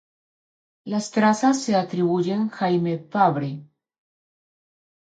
Las trazas se atribuyen Jaime Fabre.